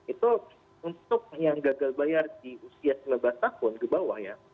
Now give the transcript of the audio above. itu untuk yang gagal bayar di usia sembilan belas tahun ke bawah ya